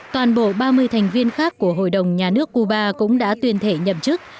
toàn bộ ba mươi thành viên khác của hội đồng nhà nước cuba cũng đã tuyên thệ nhậm chức